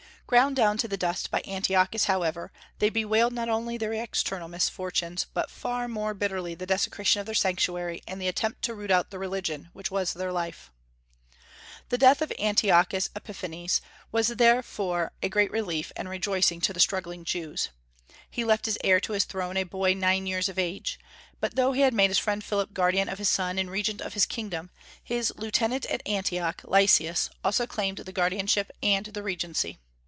Ground down to the dust by Antiochus, however, they bewailed not only their external misfortunes, but far more bitterly the desecration of their Sanctuary and the attempt to root out their religion, which was their life. The death of Antiochus Epiphanes was therefore a great relief and rejoicing to the struggling Jews. He left as heir to his throne a boy nine years of age; but though he had made his friend Philip guardian of his son and regent of his kingdom, his lieutenant at Antioch, Lysias, also claimed the guardianship and the regency.